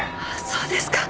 そうですか。